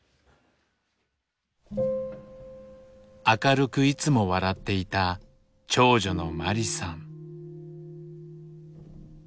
明るくいつも笑っていた長女の麻里さん。